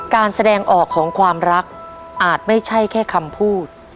การแสดงออกของความรักอาจไม่ใช่แค่คำพูด